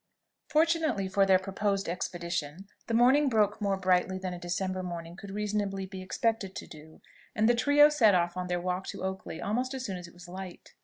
Fortunately for their proposed expedition, the morning broke more brightly than a December morning could reasonably be expected to do, and the trio set off on their walk to Oakley almost as soon as it was light.